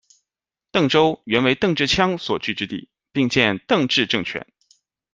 邓州原为邓至羌所据之地，并建邓至政权。